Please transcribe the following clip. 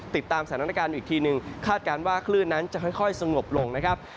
ติดตามสถานการณ์อีกทีหนึ่งคาดการณ์ว่าคลื่นนั้นจะค่อยสงบลงนะครับ